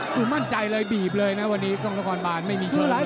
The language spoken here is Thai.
คือมั่นใจเลยบีบเลยนะวันนี้กล้องละครบานไม่มีเชิงเลย